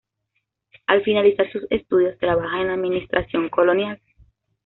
Al finalizar sus estudios trabaja en la administración colonial.